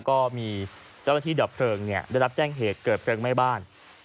ก็มีเจ้าหน้าที่ดับเพลิงได้รับแจ้งเหตุเกิดเพลิงไหม้บ้าน